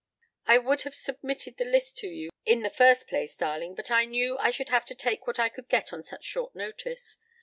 "I would have submitted the list to you in the first place, darling, but I knew I should have to take what I could get on such short notice.